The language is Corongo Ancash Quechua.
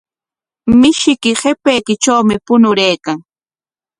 Mishiyki qipaykitrawmi puñuraykan.